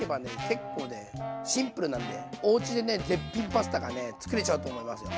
結構ねシンプルなんでおうちでね絶品パスタがつくれちゃうと思いますよ！